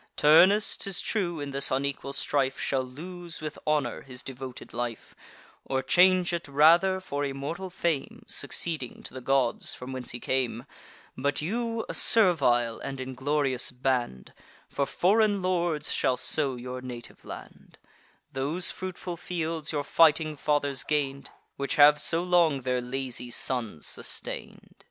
Turnus, 'tis true, in this unequal strife, Shall lose, with honour, his devoted life, Or change it rather for immortal fame, Succeeding to the gods, from whence he came: But you, a servile and inglorious band, For foreign lords shall sow your native land, Those fruitful fields your fighting fathers gain'd, Which have so long their lazy sons sustain'd."